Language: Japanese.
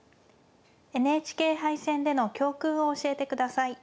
ＮＨＫ杯戦での教訓を教えて下さい。